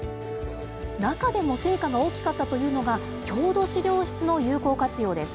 中でも成果が大きかったというのが、郷土資料室の有効活用です。